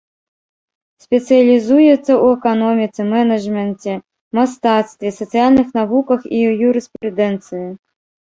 Спецыялізуецца ў эканоміцы, менеджменце, мастацтве, сацыяльных навуках і юрыспрудэнцыі.